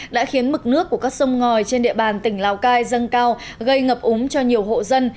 đã khiến mực nước của các sông ngòi trên địa bàn tỉnh lào cai dâng cao gây ngập úng cho nhiều hộ dân